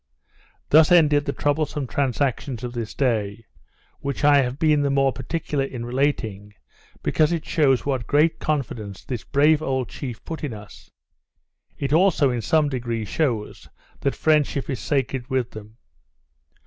Thus ended the troublesome transactions of this day, which I have been the more particular in relating, because it shews what great confidence this brave old chief put in us; it also in some degree shews, that friendship is sacred with them.